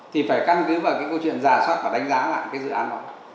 thì phải căn cứ vào cái câu chuyện giả soát và đánh giá lại cái dự án đó